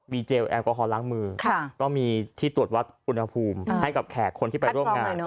เจลแอลกอฮอลล้างมือต้องมีที่ตรวจวัดอุณหภูมิให้กับแขกคนที่ไปร่วมงาน